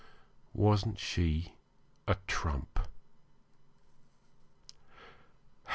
Wasn't she a trump?